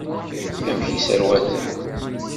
Amek i sserwaten?